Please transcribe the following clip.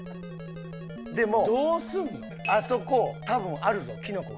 でもあそこ多分あるぞキノコが。